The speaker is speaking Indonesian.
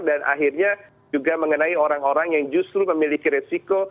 dan akhirnya juga mengenai orang orang yang justru memiliki resiko